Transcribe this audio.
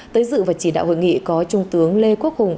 tới dự và chỉ đạo hội nghị có trung tướng lê quốc hùng